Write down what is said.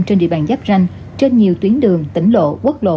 trên địa bàn giáp ranh trên nhiều tuyến đường tỉnh lộ quốc lộ